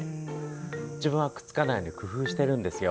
自分はくっつかないように工夫してるんですよ。